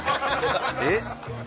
えっ？